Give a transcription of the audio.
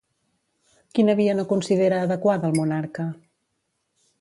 Quina via no considera adequada el monarca?